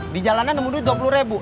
di jalanan nemu duit dua puluh rebu